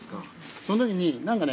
その時に何かね